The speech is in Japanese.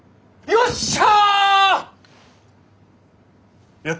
よっしゃ。